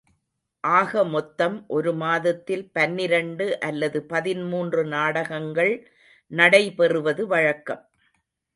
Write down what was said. ஆக மொத்தம் ஒரு மாதத்தில் பன்னிரண்டு அல்லது பதிமூன்று நாடகங்கள் நடைபெறுவது வழக்கம்.